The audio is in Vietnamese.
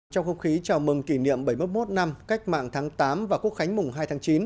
trong không khí chào mừng kỷ niệm bảy mươi một năm cách mạng tháng tám và quốc khánh mùng hai tháng chín